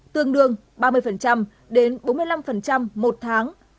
tương đương ba mươi đến bốn mươi năm một tháng